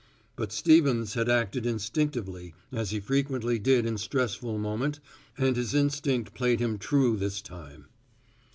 But Stevens had acted instinctively as he frequently did in stressful moment and his instinct played him true this time.